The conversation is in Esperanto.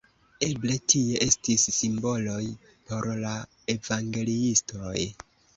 Eble tie estis simboloj por la evangeliistoj.